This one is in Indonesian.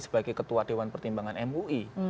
sebagai ketua dewan pertimbangan mui